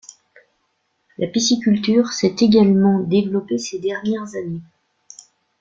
La pisciculture s'est également développé ces dernières années.